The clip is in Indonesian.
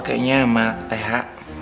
kayaknya sama lea